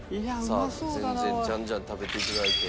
さあ全然じゃんじゃん食べていただいて。